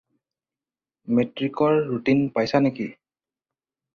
মেট্ৰিকৰ ৰুটীন পাইছা নেকি?